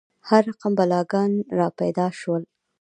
هر رقم بلاګان را پیدا شول.